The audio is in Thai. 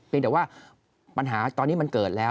เป็นแต่ว่าปัญหาตอนนี้มันเกิดแล้ว